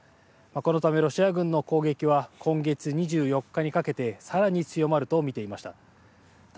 このため、ロシア軍の攻撃は今月２４日にかけてさらに強まると見ていました。